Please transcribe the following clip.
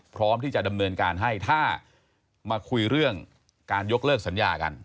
พร้อมที่จะดำเนินการให้ถ้ามาคุยเรื่องการยกเลิกสัญญากัน